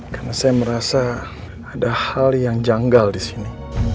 karena saya merasa ada hal yang janggal disini